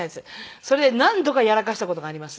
それ何度かやらかした事があります。